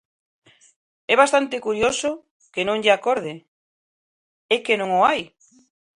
É bastante curioso que non lle acorde, é que non o hai.